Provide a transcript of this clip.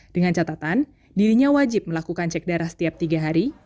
dengan catatan dirinya wajib melakukan cek darah setiap tiga hari